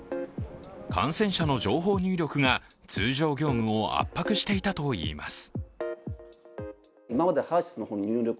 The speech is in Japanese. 感染者の情報入力が通常業務を圧迫していたといいます。